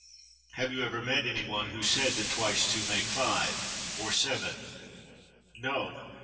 Have you ever met any one who said that twice two make five, or seven? —No!